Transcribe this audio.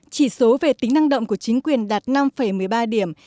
chỉ số về tính năng động của chính quyền đạt năm một mươi ba điểm